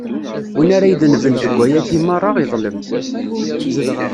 Win ara idenben deg wayagi meṛṛa, iḍlem.